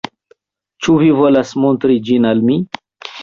Ĉu vi volas montri ĝin al mi?